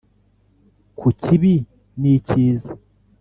kukibi nicyiza”